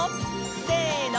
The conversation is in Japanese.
せの！